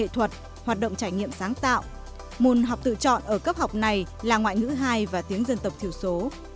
các môn học bắt buộc có phân hóa gồm tiếng dân tộc thiểu số